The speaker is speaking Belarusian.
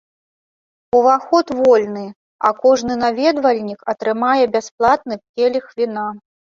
Уваход вольны, а кожны наведвальнік атрымае бясплатны келіх віна.